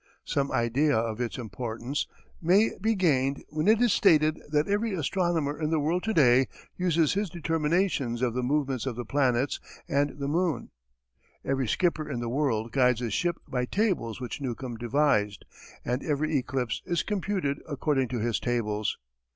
Some idea of its importance may be gained when it is stated that every astronomer in the world to day uses his determinations of the movements of the planets and the moon; every skipper in the world guides his ship by tables which Newcomb devised; and every eclipse is computed according to his tables.